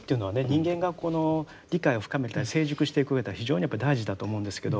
人間がこの理解を深めたり成熟していくうえでは非常にやっぱり大事だと思うんですけど。